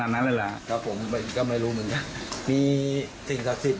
นั่นแหละครับผมก็ไม่รู้เหมือนกันมีสิ่งศักดิ์สิทธิ